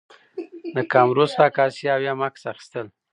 د کامرو څخه عکاسي او یا هم عکس اخیستل